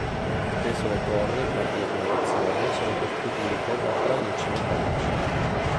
Spesso le torri per telecomunicazioni sono costituite da tralicci metallici.